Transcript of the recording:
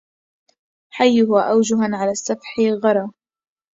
حيها أوجها على السفح غرا